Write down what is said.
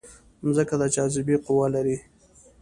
مځکه د جاذبې قوه لري.